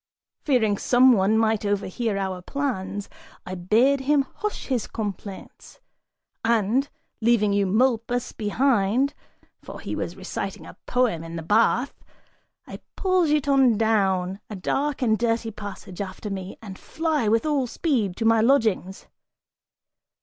Fearing some one might overhear our plans, I bade him hush his complaints and, leaving Eumolpus behind for he was reciting a poem in the bath I pull Giton down a dark and dirty passage, after me, and fly with all speed to my lodgings.